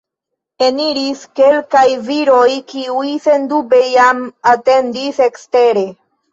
Eniris kelkaj viroj, kiuj sendube jam atendis ekstere.